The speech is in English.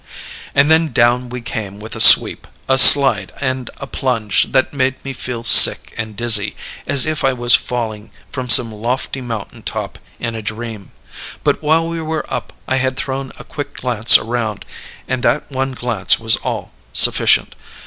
"And then down we came with a sweep, a slide, and a plunge, that made me feel sick and dizzy, as if I was falling from some lofty mountain top in a dream. But while we were up I had thrown a quick glance around, and that one glance was all sufficient.